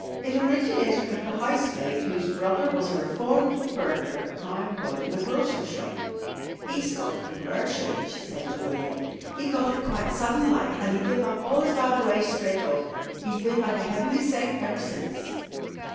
It originated with the housemaid whose brother was a reformed burglar now employed in a grocer's shop. "'E's got conversion," she said to William. "'E got it quite sudden like, an' 'e give up all 'is bad ways straight off. 'E's bin like a heavenly saint ever since."